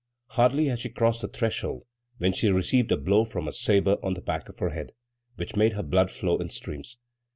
Hardly had she crossed the threshold when she received a blow from a sabre on the back of her head, which made her blood flow in streams.